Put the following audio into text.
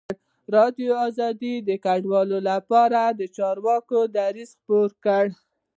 ازادي راډیو د کډوال لپاره د چارواکو دریځ خپور کړی.